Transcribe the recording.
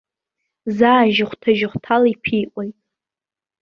Заа жьыхәҭа-жьыхәҭала иԥиҟоит.